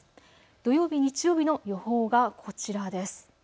土曜日、日曜日の予報がこちらです。